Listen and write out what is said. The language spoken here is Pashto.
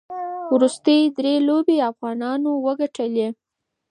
وروستۍ درې لوبې افغانانو وګټلې.